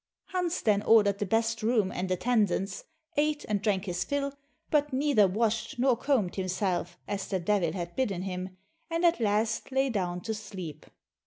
Hans then ordered the best room and attendance, ate, and drank his fill, but neither washed nor combed himself as the Devil had bidden him, and at last lay down to sleep.